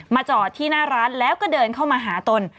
จอดที่หน้าร้านแล้วก็เดินเข้ามาหาตน